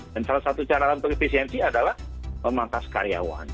dan salah satu cara untuk efisiensi adalah memantas karyawan